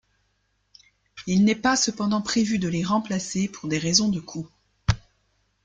Il n'est pas cependant prévu de les remplacer pour des raisons de coût.